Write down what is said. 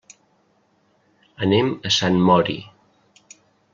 Anem a Sant Mori.